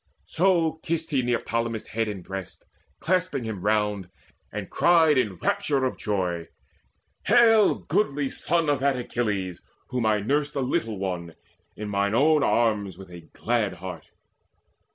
So kissed he Neoptolemus' head and breast, Clasping him round, and cried in rapture of joy: "Hail, goodly son of that Achilles whom I nursed a little one in mine own arms With a glad heart.